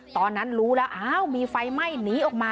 ตอนนั้นรู้แล้วอ้าวมีไฟไหม้หนีออกมา